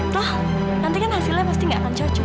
tuh nanti kan hasilnya pasti enggak akan cocok